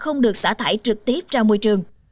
không được xả thải trực tiếp ra môi trường